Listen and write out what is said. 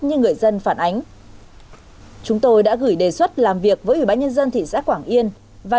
như người dân phản ánh chúng tôi đã gửi đề xuất làm việc với ủy ban nhân dân thị xã quảng yên và